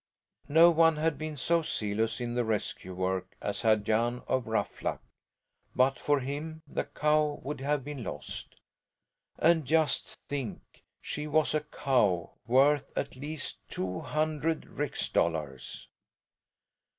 No one had been so zealous in the rescue work as had Jan of Ruffluck. But for him the cow would have been lost. And just think! She was a cow worth at least two hundred rix dollars.